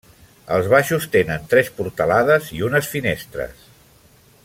Els baixos tenen tres portalades i unes finestres.